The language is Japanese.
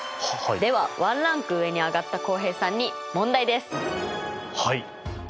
ではワンランク上にあがった浩平さんに問題です！